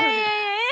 えっ！